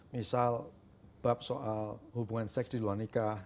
misal bab soal hubungan seks di luar nikah